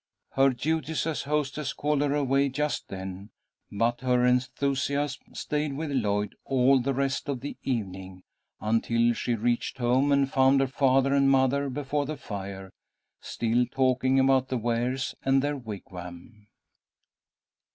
Her duties as hostess called her away just then, but her enthusiasm stayed with Lloyd all the rest of the evening, until she reached home and found her father and mother before the fire, still talking about the Wares and their wigwam.